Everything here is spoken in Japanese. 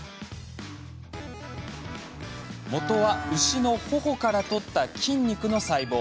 もとは牛のほおから取った筋肉の細胞。